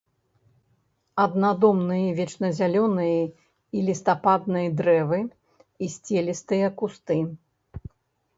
Аднадомныя вечназялёныя і лістападныя дрэвы і сцелістыя кусты.